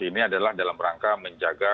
ini adalah dalam rangka menjaga